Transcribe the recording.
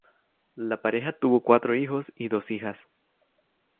La pareja tuvo cuatro hijos y dos hijas.